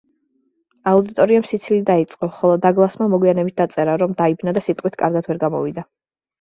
აუდიტორიამ სიცილი დაიწყო, ხოლო დაგლასმა მოგვიანებით დაწერა, რომ დაიბნა და სიტყვით კარგად ვერ გამოვიდა.